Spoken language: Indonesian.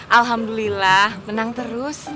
alhamdulillah menang terus